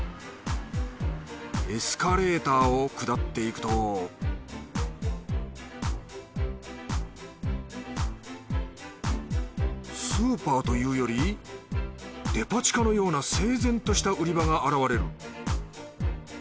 エスカレーターを下っていくとスーパーというよりデパ地下のような整然とした売り場が現れる。